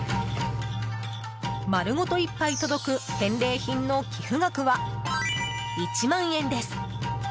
丸ごと１杯届く返礼品の寄付額は１万円です。